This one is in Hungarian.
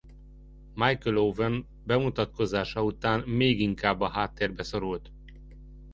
Michael Owen bemutatkozása után még inkább a háttérbe szorult.